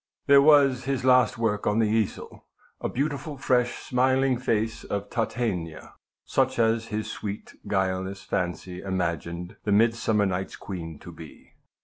There was his last work on the easel a beautiful, fresh, smiling shape of Titania, such as his sweet, guileless fancy imagined the Midsummer Night's queen to be.